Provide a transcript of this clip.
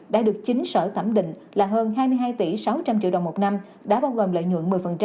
đã được chính sở thẩm định là hơn hai mươi hai tỷ sáu trăm linh triệu đồng một năm đã bao gồm lợi nhuận một mươi